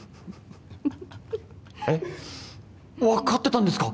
えっ分かってたんですか？